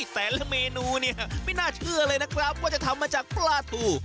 แต่ละเมนูเนี่ยไม่น่าเชื่อเลยนะครับว่าจะทำมาจากปลาทู